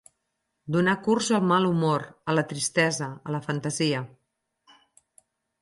Donar curs al mal humor, a la tristesa, a la fantasia.